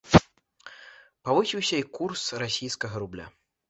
Павысіўся і курс расійскага рубля.